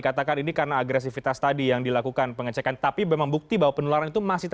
katakan ini karena agresifitas tadi yang dilakukan pengecekan tapi membukti bahwa penularan itu masih